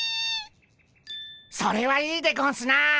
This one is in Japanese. それはいいでゴンスな！